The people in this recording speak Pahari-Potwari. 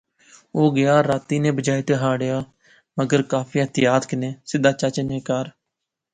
او گیا، راتی نے بجائے تہاڑیا، مگر کافی احتیاط کنے, سیدھا چاچے نے کہھر